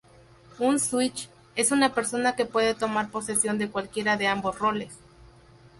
Un "switch" es una persona que puede tomar posesión de cualquiera de ambos roles.